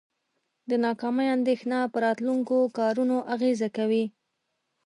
د ناکامۍ اندیښنه په راتلونکو کارونو اغیزه کوي.